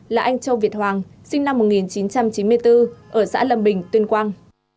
là anh châu việt hoàng sinh năm một nghìn chín trăm chín mươi bốn ở xã lâm bình tuyên quang